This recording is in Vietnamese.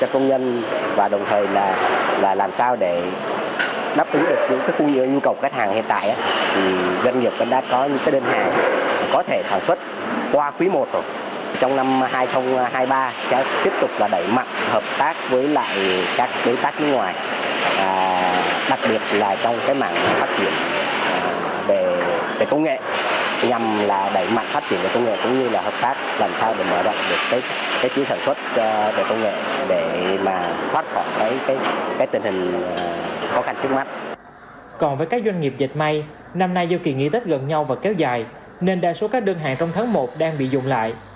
còn với các doanh nghiệp dịch may năm nay do kỳ nghỉ tết gần nhau và kéo dài nên đa số các đơn hàng trong tháng một đang bị dùng lại